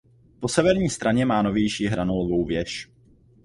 Po severní straně má novější hranolovou věž.